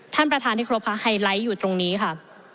ท่านประธานที่ครบค่ะไฮไลท์อยู่ตรงนี้ค่ะ